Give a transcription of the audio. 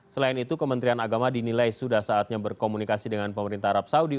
selain itu kementerian agama dinilai sudah saatnya berkomunikasi dengan pemerintah arab saudi